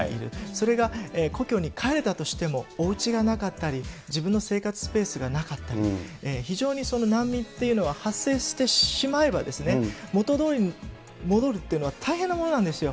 それが故郷に帰れたとしてもおうちがなかったり、自分の生活スペースがなかったり、非常に難民っていうのは発生してしまえば、元通りに戻るというのは大変なものなんですよ。